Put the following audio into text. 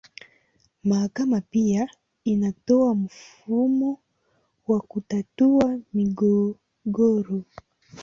Mahakama pia inatoa mfumo wa kutatua migogoro.